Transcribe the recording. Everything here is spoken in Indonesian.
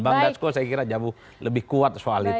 bang dasko saya kira jauh lebih kuat soal itu